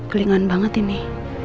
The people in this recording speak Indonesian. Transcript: kelingaan banget ini